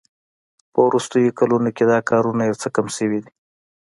په وروستیو کلونو کې دا کارونه یو څه کم شوي دي